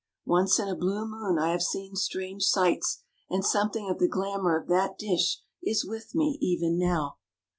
Once in a blue moon I have seen strange sights, and something of the glamour of that dish is with me even now.